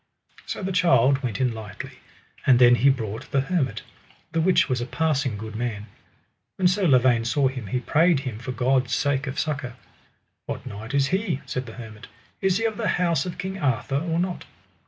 So the child went in lightly, and then he brought the hermit, the which was a passing good man. When Sir Lavaine saw him he prayed him for God's sake of succour. What knight is he? said the hermit. Is he of the house of King Arthur, or not?